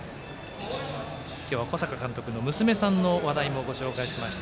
今日は小坂監督の娘さんの話題もご紹介しました。